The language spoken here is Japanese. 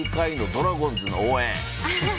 ドラゴンズの応援。